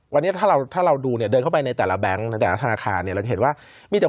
วันนี้ถ้าเราดูเดินเข้าไปในแต่ละแบงค์แต่ละธนาคา